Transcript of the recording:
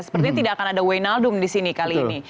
sepertinya tidak akan ada weynaldum di sini kali ini